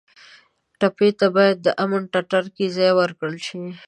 ټپي ته باید د امن ټټر کې ځای ورکړل شي.